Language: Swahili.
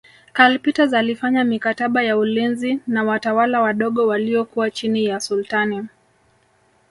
Karl Peters alifanya mikataba ya ulinzi na watawala wadogo waliokuwa chini ya Sultani